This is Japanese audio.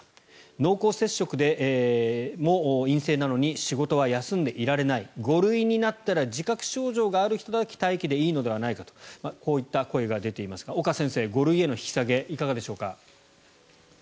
濃厚接触でも陰性なのに仕事は休んでいられない５類になったら自覚症状がある人だけ待機でいいのではないかとこういった声が出ていますが岡先生、５類への引き下げいかがでしょうか？